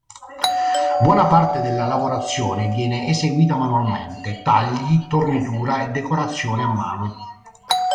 Buona parte della lavorazione viene eseguita manualmente tagli, tornitura e decorazione a mano.